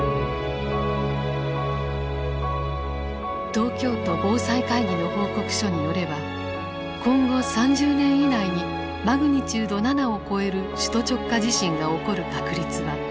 東京都防災会議の報告書によれば今後３０年以内にマグニチュード７を超える首都直下地震が起こる確率は７０％である。